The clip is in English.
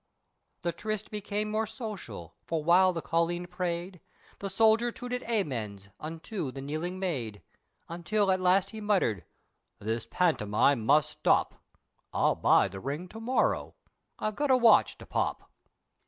The tryst became more social for while the colleen prayed, The stranger tooted "Amens" unto the kneeling maid, Until at last he muttered "This pantomime must stop, I'll buy the ring to morrow, I've got a watch to pop!"